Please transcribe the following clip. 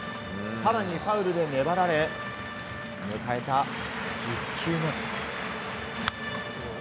更に、ファウルで粘られ迎えた１０球目。